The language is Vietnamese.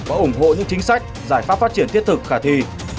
và ủng hộ những chính sách giải pháp phát triển thiết thực khả thi